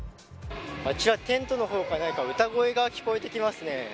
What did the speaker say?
あちら、テントの方から歌声が聞こえてきますね。